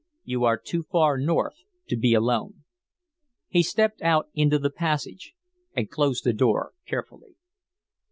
You are too far north to be alone." He stepped out into the passage and closed the door carefully.